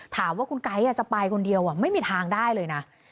ถามว่าคุณไก๊จะไปคนเดียวไม่มีทางได้เลยนะ